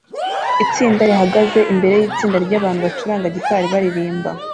Itsinda rihagaze imbere yitsinda ryabantu bacuranga gitari baririmba